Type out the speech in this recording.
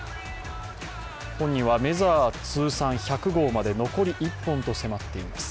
本人はメジャー通算１００号まで残り１本と迫っています。